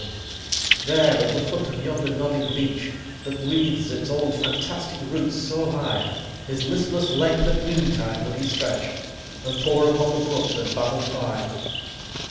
100 "There at the foot of yonder nodding beech, That wreathes its old fantastic roots so high, His listless length at noontide would he stretch, And pore upon the brook that babbles by.